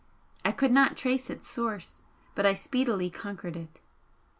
I could not trace its source, but I speedily conquered it.